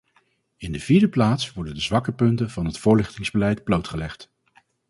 In de vierde plaats worden de zwakke punten van het voorlichtingsbeleid blootgelegd.